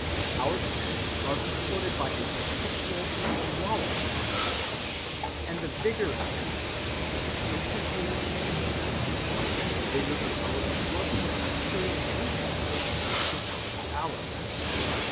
Our spirits are supported by a perpetual indrawal of this energy, and the vigor of that indrawal is perpetually changing, much as the vigor of our absorption of material nutriment changes from hour to hour.